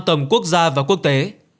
tầm quốc gia và quốc tế